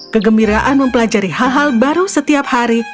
kegembiraan mempelajari hal hal baru setiap hari